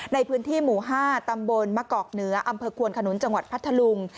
ในพื้นที่หมู่๕ตำบลมะกอกเหนืออำเภอควนขนุนจังหวัดพัทธลุง